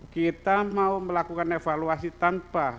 kita mau melakukan evaluasi tanpa